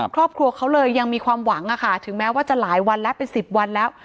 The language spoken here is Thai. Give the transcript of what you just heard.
ครอบครัวเขาเลยยังมีความหวังถึงแม้ว่าจะหลายวันแล้วเป็น๑๐วันแล้ว